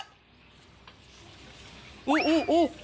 ไปแล้ว